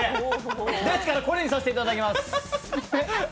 ですからこれにさせていただきます！